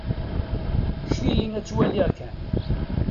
Ǧǧet-iyi ad t-waliɣ kan.